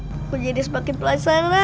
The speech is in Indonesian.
semua manusia bahkan wajib mempelajarinya